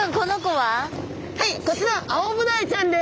はいこちらはアオブダイちゃんです。